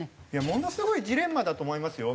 ものすごいジレンマだと思いますよ。